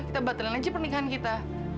kita baterai aja pernikahan kita